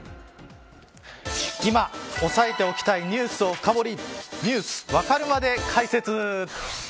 今、押さえておきたいニュースを深堀りニュースわかるまで解説。